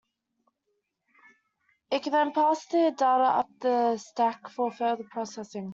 It can then pass their data up the stack for further processing.